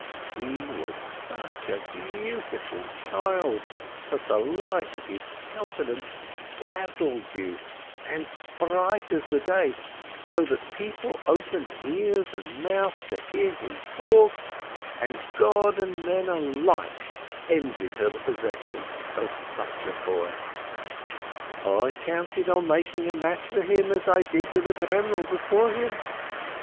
He was such a beautiful child that the light of his countenance dazzled you, and bright as the day, so that people opened ears and mouth to hear him talk, and God and men alike envied her the possession of such a boy. "I counted on making a match for him, as I did with Avremel before him.